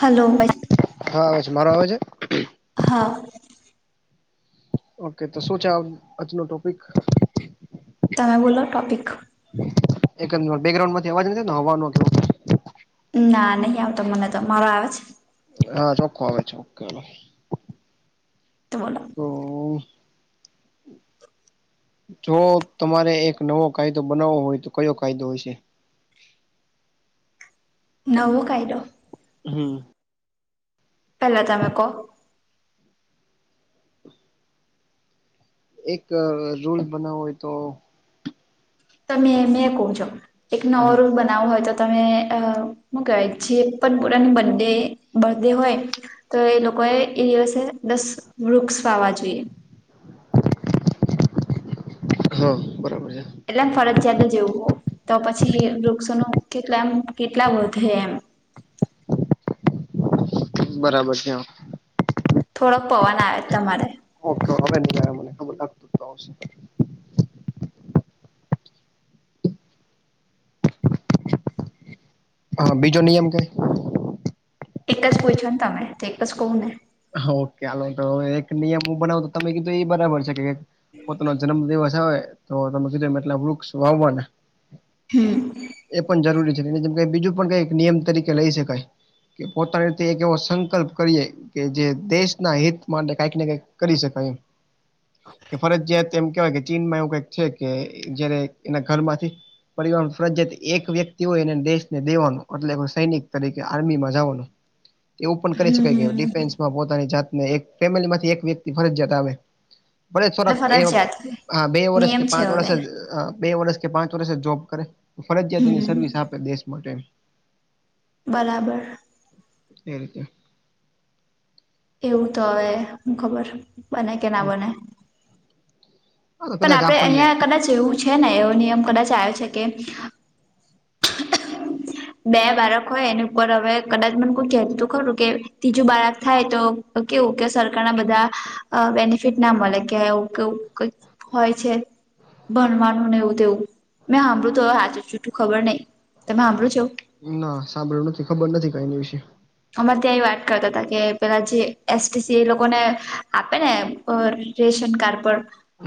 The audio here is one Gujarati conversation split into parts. હેલો ભાઈ હા આવે છે મારો આવે છે હા ઓકે તો શું છે આજનો ટોપિક? તમે બોલો ટોપિક એક જ માં બેકગ્રાન્ડ માંથી અવાજ હતોને એ હવાનો હતો ના નહી આવતો મને તો મારો આવે છે હા ચોખ્ખો આવે છે. તો બોલો તો જો તમારે એક નવો કાયદો બનાવવો હોય તો કયો કાયદો હશે? નવો કાયદો હમ પેલા તમે કહો એક રૂલ બનાવું હોય તો તમને મેં કહુ જો એક નવો હા રુલ બનાવો ના હોય તો તમે શું કહેવાય, જે પણ પૂરાની બર્થડે બર્થડે હોય. તો એ લોકોએ એ દિવસે દસ વૃક્ષ વાવવા જોઈએ, હ બરાબર છે, એટલે એમ ફરજિયાત જેવું તો પછી વૃક્ષોનું કેટલા એમ કેટલા વધે એમ, બરાબર છે, એમ થોડોક પવન આવે છે તમારે, ઓ તો હવે ને મને ખબર લાગતો તો આવશે. હા બીજો નિયમ કે, એક જ પૂછ્યો ને તમે તો એકજ કવને. ઓકે હાલો તો એક નિયમ હું બનાવું તમે કીધું એ બરાબર છે, કે પોતાનો જન્મદિવસ. ના હોય તો તમે કીધું એટલાંમાં વૃક્ષ વાવવાના, હં એ પણ જરૂરી છે, એ જેમ બીજું પણ કંઈક નિયમ તરીકે લઈ શકાય, કે પોતાની રીતે એક એવો સંકલ્પ કરીએ, કે જે દેશના હિત માટે કાંઈક ને કાંઈક કરી શકાય એમ, કે ફરજ તેમ કેહેવાય, કે ચીનમાં એવું કાંઈ છે, કે જયારે એના ઘરમાંથી. પરિવારના ફરજીયાત એક વ્યક્તિ હોય એને દેશને દેવાનું એટલે સૈનિક તરીકે આર્મીમાં જવાનું, [unintelligible] [inaudible] એવું પણ કરી શકાય કે હમ ડિફેન્સમાં પોતાની જાતને એક ફેમિલીમાંથી એક વ્યક્તિ ફરજિયાત આવે. ભલે એટલે થોડાક એ ફરજિયાત છે. હા બે વર્ષ નિયમ કે છે પાંચ વર્ષ હવે જ બે વર્ષ કે પાંચ વર્ષ જોબ કરે ફરજિયાતને હમ સર્વિસ આપે, દેશ માટે બરાબર, એ રીતે, એવું તો હવે હું ખબર બંને કે ના બંને, આ તો પણ કદાચ આપણે અહિયાં આપણને યા કદાચ એવું છે, ને એવો નિયમ કદાચ આવ્યો છે, કે [unintelligible] [inaudible] બે બાળક હોય એની ઉપર હવે કદાચ મને કોઈ કહેતતું ખરું કે ત્રીજું બાળક થાય તો, ઓકે ઓકે સરકારના બધા બેનિફિટ ના મળે કે ઓકે ઓકે, હોય છે, ભણવાનું ને એવું તેવું મેં સાંભળું તો આજે છૂઠું ખબર નહીં તમે સાંભળું છે, એવું. ના સાંભળ્યું નથી ખબર નથી કઈ એની વિશે, અમારે ત્યાં એ વાત કરતા હતા, કે પેલા જે એસટીસી એ લોકોને આપે ને પર રેશન કાર્ડ પર,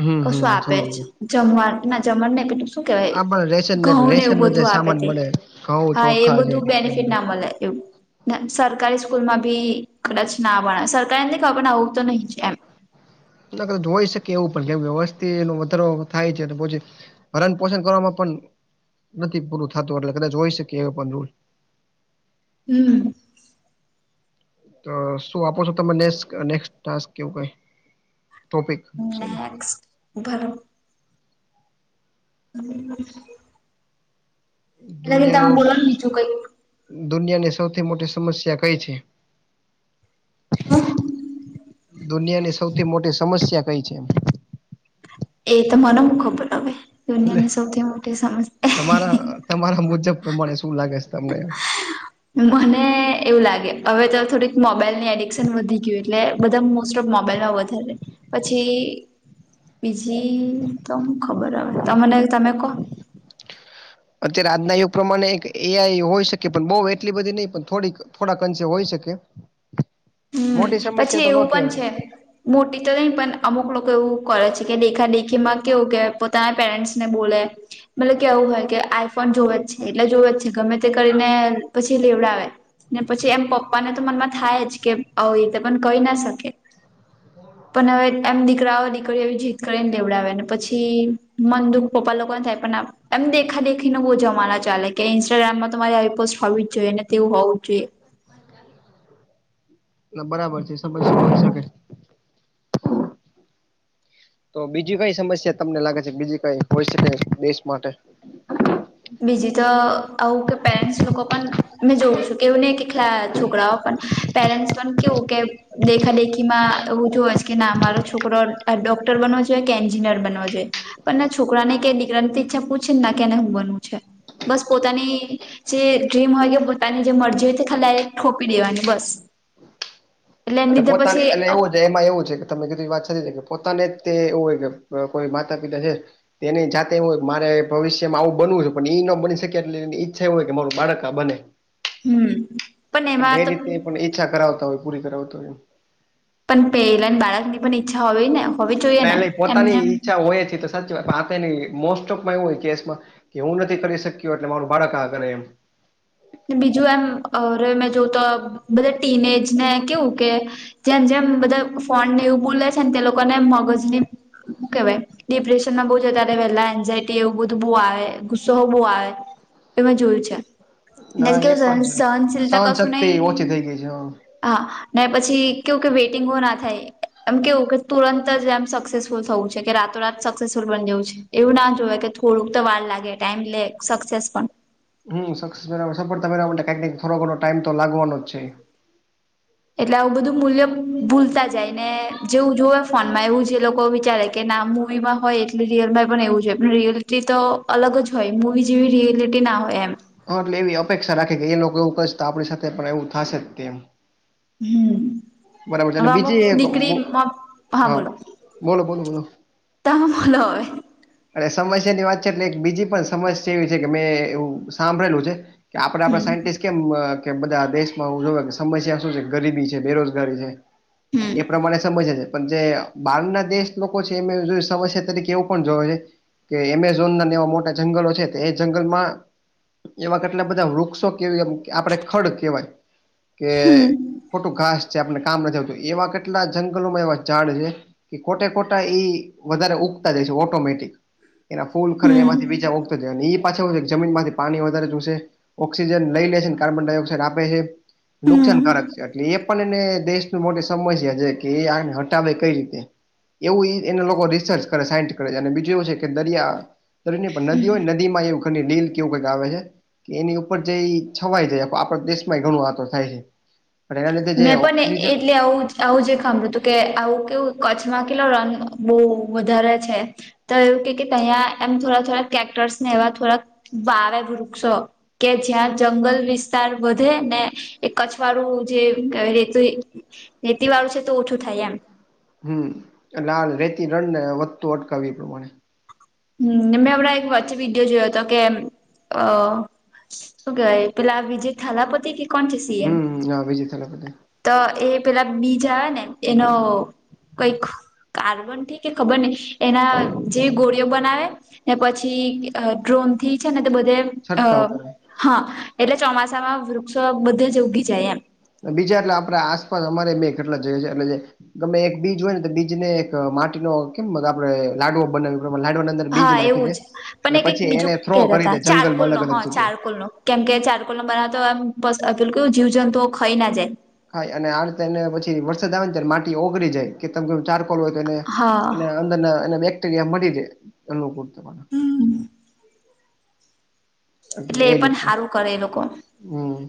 હમ હમ કશું આપે સમજી ગયા જ જમવાનું ના જમવાનું ને પેલું શું કહેવાય. આપણ રેશન ઘઉં ને રેશન નો એવું જે બધું આપે સામાન તે મળે ઘઉં હા એ ચોખા છે બધું બેનિફિટ બધું ના મળે એવું. સરકારી સ્કૂલ માં બી કદાચ ના ભણે સરકારીને ખબરને આવું તો નહીં છે, એમ હોઈ શકે એવું પણ કે વસ્તી ન વધારો થાય છે, પછી ભરણ પોષણ કરવામાં પણ નથી, પૂરું થતું એટલે કદાચ હોઈ શકે, એ પણ દૂર હું. તો શું આપો છો, તમે નેક્સ નેકસ ટાસ્ક કેવું કાંઈ. નેક્સ ભરો. હું. એટલે કે દુનિયાનો હું બોલો ને બીજું કંઈક દુનિયાની સૌથી મોટી સમસ્યા કઈ છે, હા, હા દુનિયાની સૌથી મોટી સમસ્યા કંઈ છે, એ તો મને ખબર હુ એમ દુનિયાની સૌથી મોટી તમારા સમસ્યા તમારા મુજબ પ્રમાણે શું લાગે છે, તમને મને એવું લાગે હવે તો થોડીક મોબાઈલ ની એડિક્શન વધી ગયું એટલે. બધા મોસ્ટ ઓફ મોબાઈલમાં વધારે પછી, બીજી તો ખબર હ તને તમે ક અત્યારે આજના યુગ પ્રમાણે એઆઈ હોય શકે પણ બહ એટલી બધી નહી પણ થોડીક થોડાક અંશે હોય શકે હમ મોટી સમસ્યા પછી તો ન એવું કે પણ છે મોટી તો નહી પણ અમુક લોકો એવું કરે છે કે દેખા દેખી માં કેવું કે પોતાના પેરેન્ટ્સને બોલે મતલબ કેવું હોય કે આઈફોન જોુવે જ છે એટલે જોુવે જ છે ગમે તે કરીને પછી લેવડાવે ને પછી એમ પપ્પાને તો મનમાં થાય જ કે હ એ તો પણ કહી ના શકે પણ હવે એમ દીક દીકરા દીકરી એવી જીત કરીને દેવડાવે ને પછી મન દુઃખ પપ્પા લોકોને થાય પણ એમ દેખા દેખીને બહુ જમાના ચાલે કે ન્સ્ટાગ્રામમાં તો તમારી આવી પોસ્ટ હોવી જઈએ ને તેવું હોવું જ જોઈએ એ બરાબર છેકે તો બીજી કઈ સમસ્યા તમને લાગે છે બીજી કઈ હોય છે દેશ માટે બીજી તો આવું કે પેરેન્ટ્સ લોકો પણ મેં જોઉું છું કેવું નને કે લા છોકરાઓ પણ પેરેન્ટ્સ પણ કેવું કે દેખા દેખીમાં એવું જો છે કે ના મામારો છોકરો ડોક્ટર બનવો જોઈએ કે એન્જિનિયર બનવો જોઈએ પણ ના છોકરાને કે દીકરાની ઈચ્છા પૂછે ને ના કેને હું બનવું છે બસ પોતાની જે ડ્રીમ હોય કે પોતાની જે મરજી હોય તે ખાલી આ ખોપી દેવાની બસ એટલે એને એટ લીધે પછી પોતાની એ એવું છે એમાં એવું છે કે તમે કીધી વાત કે પોતાને તે એવું હોય કે કોઈ માતા પિતા છે તે એની જાતે એું હોય મારે ભવિ્યમાં આવું બનવું છે પણ એઈ ન બની શકે એટલે એની ઈચ્છા એવુંય કે મારું બાળક તબને હમ પણ એમાં તો રીતે પણ ઈચ્છા કરાવતા હોય પૂરી કરાવતા હોય પણ પહેલાને બાળક ની પણ ઈચ્છા હોવી ને હોવી જોઈએ ને એમને ચા હોયી તો સાચી વાય ન મોસ્ટ ઓફમાં એું હોય કેસમાં કે હું નથી કરી શક્યો એટલે મારું બાળક આ કરે એમ બીજું એમ અરે મેં જો તો બધા ટીન એજ ને કેવું કે જેમ જેમ બધા ફોન ને એવું બોલે છે ને તે લોકોને મગજની કેવાય ડિપ્રેશનમાં બહુ છે ત્યારે પહેલા એન્ઝાયટી એવું બધું બહુ આવે ગુસ્સો બહ આવે એમાં જોયું છે ના એ કેવું પણ છે સહનશીલતા સહન કશું શક્તિ નહ ઓછી થઈ ગઈ છે હ હા ને પછી કેવું કે વેઇટિંગો ના થાય એમ કેવું કે તુરંત જ એમ સક્સેસ થવું છે કે રાતો રાત સક્સેસફુલ બન જેવું છે એવું ના જોવે કે થોડુંક તો વાર લાગે ટાઈમ લે સક્સેસ પણ હમ્મ, સક્સેસરા સફળતારા માટે કંક થોરોકો ટાઈમ તો લાગવાનો જ છે. એટલે આવું બધું મૂલ્ય ભૂલતા જાય ને જેવું જોવે ફોનમાં એવું જ એ લોકો વિચારે કે ના મુવીમાં હોય એટલે રિયલમાં પણ એવું જો પણ રિયલટી તો અલગ જ હોય. એ જેવી રિએલિટી ના હોય એમ. હા એટલે એવી અપેક્ષા રાખે કે એ લોકો એવું કસ તો આપણી સાથે પણ એવું થાશે જ કેમ. હમ્મ. છે હવ અને અમુક બીજી એક દીકરી, મુ- હા બોલો. બોલો બોલો બોલો તામુલ હોય. અને સમસ્યા ની વાત છે એટલે એક બીજી પણ સમસ્યા એવી છે કે મેં એવું સાંભળેલું છે. કે આપણે આપડા સાયન્ટિસ્ટ કેમ કે બધા દેશમાં ઉલુ સમસ્યા શું છે ગરીબી છે, બેરોજગા ગારી છે, હમ એ પ્રમાણે સમજે છે. પણ જે બહાર ના દેશ લોકો છે એ જો સમસ્યા તરીકે એવું પણ જોવે છે. કે એમેઝોન ના એવા મોટા જંગલો છે તો એ જંગલમાં એવા કેટલા બધા વૃક્ષો કેવી એમ આપડે ખડ કેવાય. કે હમ ખોટું ઘાસ છે આપને કામ નથી આવતું એવા કેટલા જંગલોમાં એવા ઝાડ છે. કે ખોટે ખોટા એ વધારે ઉગતા જાય છે ઓટોમેટિક એના ફૂલ હમ ખરી એમાંથી બીજા ઉગ અને એ પાછ છે જમીન માંથી પાણી વધારે ચુશે. ઓક્સિજન લઈ લે છેને કાર્બન ડાયોક્સાઇડ આપે છે હમ નુકસાનકારક હમ છે. એટલે એ પણ એને દેશની મોટી સમસ્યા છે કે એ આને હટાવે કઈ રીતે? એવું એને લોકો રિસર્ચ કરે સાયન્ટ કરે છે અને બીજું એવું છે કે દરિયા નદીઓ નદી માં એવું લીલ કેવું કંઈક આવે છે. કે એની ઉપર જે છવાઈ જાય આપડ દેશમાં ઘણું આતો થાય છે પણ એના લીધે જે મેં પણ ઓક્સિજન એટલે આવું આવું જ ખંભર્યું હતું કે આવું કેવું કચ્છમાં કેલો રન બહુ વધારે છે. તો એવું કે તહીંયા એમ થોડા થોડા કેક્ટર્સ ને એવા થોડાક વાવે વૃક્ષો કે જ્યાં જંગલ વિસ્તાર વધે ને એ કછવાડું જે રેતું રેતી વાળું છે તો ઓછું થાય એમ. હમ્મ, એટલે આલ રેતી રણ ને વધતું અટકાવ એ પ્રમાણે. હમ્મ, મેં હમણાં એક વચ્ચે વિડીયો જોયો હતો કે અ શું કેવાય પેલા આ વિજય થાલાપતિ કે કોણ છે સી એમ? હમ હા બીજી તરફ હતી. તો એ પેલા બીજ આવે ને એનો કઈ કાર્બન થી કે ખબર નહી એના જે ગોળીઓ બનાવે ને પછી ડ્રોન થી છે ને તે બધે અ છંટકાવ કરે હા એટલે ચોમાસામાં વૃક્ષો બધે જ ઉગી જાય એમ. બીજા એટલે આપણે આસપાસ અમારે મેં કેટલા જગ્યા છે એટલે ગમે એક બીજ હોય ને તો બીજ ને એક માટીનો કેમ આપડે લાડુ બનાવી લાડુની અંદર બીજ હા નાખી એવું દે જ પણ અને એક કેક પછી એને બીજું થ્રો કેતા કરી દે તા ચારકોલ જંગલમાં નો અલગ અલગ હા જગ્યાએ ચારકોલ નો. કેમ કે ચારકોલંબર તો આમ બસ અપીલ કુ જીવ જંતુઓ ખાઈ ના જાય. ખાય અને આ રીતે એને પછી વરસાદ આવે ને માટી ઓગળ જાય કે તમ કે ચારકોલ હોય તો એને હા એ અંદરના એને બેક્ટેરિયા મળી જાય અનુકૂળ. હમ એટલે એ પણ રીતે, સારું કરે એ લોકો હમ્મ.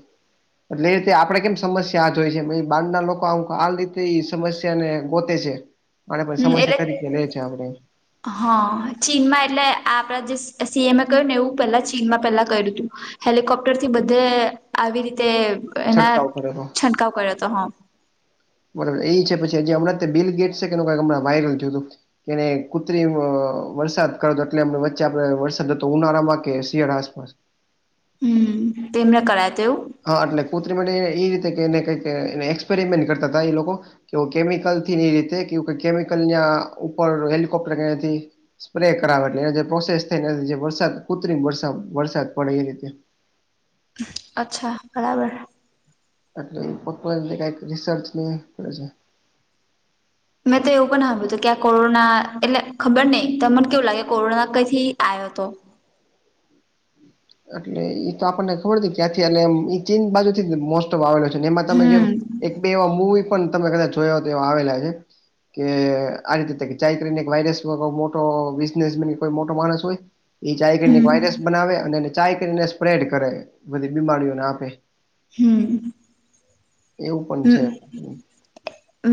એટલે એ રીતે આપડે કેમ સમસ્યા જ હોય છે બહાર ના લોકો આમ આ રીતે સમસ્યા તેને ગોતે છે અને પછ પણ હમ સમસ્યા તરીકે એટલે લે છે આપણે. હા ચીનમાં એટલે આપણા જે સી એમ કર્યું ને એવું પેલા ચીનમાં પેલા કર્યું હતું. હેલિકોપ્ટર થી બધે આવી રીતે એના છંટકાવ કરે તો છંટકાવ કર્યો હતો, હા. બરાબર એ છે પછી હમણાં તે બિલ ગેટ છે કેઈક હમં વારલ થયું હતું કેને કુત્રી વરસાદ કરોતો એટલેમ વચ્ચે આપડે વરસાદ હતો ઉનાળામાં કે શિયાળા આસપાસ હમ તેમને કરાય તેવુ? હા એટલે પુત્રી માટે એ રીતે એને કાક એક્સપેરિમેન્ટ કરતા હતા એ લોકો કે કેમિકલ થી ની રીતે કે કેમિકલ ન્યા ઉપર હેલિકોપ્ટર કયા થી સ્પ્રે કરાવે એટલે એ જે પ્રોસેસ થઈને જે વરસાદ કૃત્રિમર વરસાદ પડે એ રીતે. અચ્છા, બરાબર. એટલે એ પોક્ કઈક રિસર્ચ ન પડે છે મેં તો એવું પણ સાભ્યું હતું કે આ કોરોના એટલે ખબર નહ તો મને કેવું લાગે કોરોના કઈથી આવ્યો હતો. એટલે ઈ તો આપણને ખબર હતી ક્યાંથી એ ચીન બાજુ થી મોસ્ત આવેલો છે એમાં તમે જે હમ એક બે એવા મુવી પણ તમે કદાચ જોયા હો તો એવા આવેલા છે કે આ રીતેાયક વાયરસ મોટો બિઝનેસ કો મોટો માણસ હોય એ ચાય કરીને હમ એક વાયરસ બનાવે અને ચાય કરીને સ્પ્રેડ કરે બધી બીમારીઓને આપે હમ એવું પણ છે હમ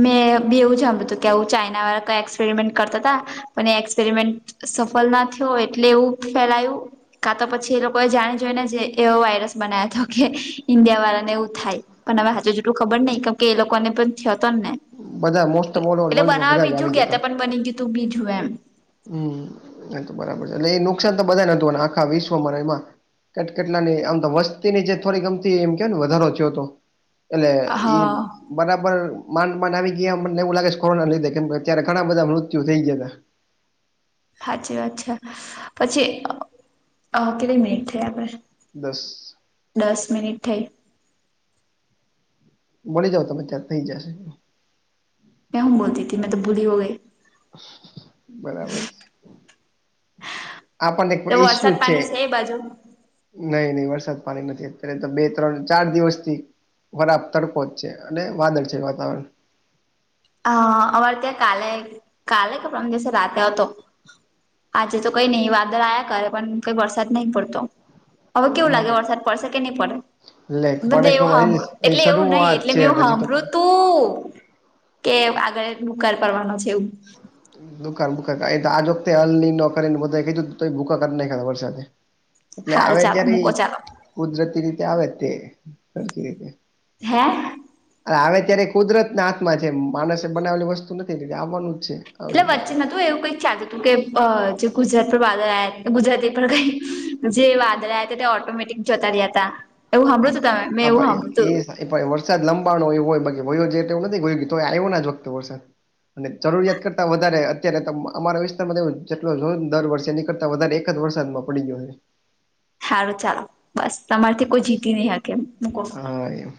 મેં એવું જણ્યું હતું કે આવું ચાાઈના વાળા કઈ એક્સપેરિમેન્ટ કરતા હતા પણ એ એક્સપેરિમેન્ટ સફલ ના થયો એટલે એવું ફેલાયું કા તો પછી એ લોકો એ જાણી જોય ને જે એવો વાયરસ બનાવ હતો કે ઈન્ડિયા વાળાને એવું થાય પણ હવે હજુ જેટલું ખબર નઈિ કેમ કે એ લોકોને પણ થયોતો ને બધા મોસ્ટ ને ઓફ ઓલ ઓવર એટલે વર્લ્ડમાં બનાવવા બધા જ બીજું આવી ગ ગયા તે તા. પણ બની ગયું તું બીજું એમ હમ એ તો બરાબર છે એટલે એ નુકસાન તો બધાને હતુંને આખા વિશ્વમાંરા એમાં કેટ કેટલાની આમ તો વસ્તીની જે થોડી ગમતી એમ કે ને વધારો થયો તો એટલે ઈ હા બરાબર નડ ન આવી ગયા મને એવું લાગે કે કોરોના લીધે કેમ અત્યારે ઘણા બધા મૃત્યુ થઈ ગયા હાચી વાત્છા પછી કેટલી મિનિટ થઈ આપડે દસ દસ મિનિટ થઈ મળી જઓ તમે ત્યાં થઈ જશે ક હું બોલતીથી મેં તો ભૂલી હો ગઈ બરાબર છે આપણને ઈસ્યુ વરસાદ છે. પાણી એ બાજુ નહી નહી વરસાદ પાણી નથી અત્યારે તો બે ત્રણ ચાર દિવસ થી વરાબ તડકો જ છે અને વાદળ છે વાતાવરણ હ અમારે ત્યાં કાલે કાલે કે પ્રમ દિવસે રાતે આવ હતો આજે તો કઈ નહી વાદળ આવ્યા કરે પણ કઈ વરસાદ નહીં પડતો. હવે કેવું લાગે વરસાદ પડશે કે નહીં પડે લેખ પણ બધા એવું એક સાંભળ્યું એ એટલે એવું નહી શરૂઆત એટલે છે મેં એવું હજી તો પણ સાંભળ્યું તું કે આગળ રુકાર કરવાનો છે આવું દુકાળ ભૂકાડ આજ વખતે હલ ન નોકરીને બધા કીધું તો ભૂખકા કરી નાખાધા વરસાદ એ એટલે હારું આવે ચાલો ત્યારે મૂકો ચાલો કુદરતી રીતે આવે તે સરખી રીતે હે આવેવે ત્યારે કુદરત ના હાથમાં છે માણસે બનાવેલી વસ્તુ નથી એ આવવાનું જ છે એટલે આવશે ત્યારે વચ્ચે નહતું એવું કઈક ચાલ હતું કે જે ગુજરાત પર વાદળ ગુજરાતી પર કઈ જે વાદળ્યા હતા તે ઓટોમેટિક જતા રહ્યા હતા ટ હ ભાઈ એ એ પણ વરસાદ લંબાણો એવ હોયયો જેટ એવ નથી ગયયો તો આવ્યો ના જ વખતે વરસાદ અને જરૂરિયાત કરતા વધારે અત્યારે અમારા વિસ્તારમાં જેટલો જો દર વર્ષે એની કરતા વધ એકખત વરસાદમાં પડી ગયો છે. સારું ચાલો બસ તમાર થી કોઈ જીતી નહી હકે એ મુકો હ એમ